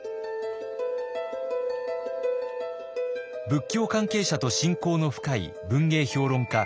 仏教関係者と親交の深い文芸評論家